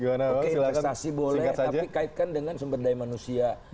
oke investasi boleh tapi kaitkan dengan sumber daya manusia